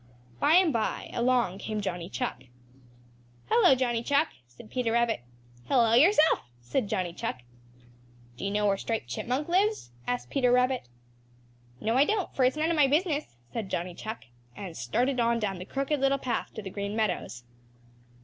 By and by along came Johnny Chuck. "Hello, Johnny Chuck!" said Peter Rabbit. "Hello, yourself!" said Johnny Chuck. "Do you know where Striped Chipmunk lives?" asked Peter Rabbit. "No, I don't, for it's none of my business," said Johnny Chuck, and started on down the Crooked Little Path to the Green Meadows.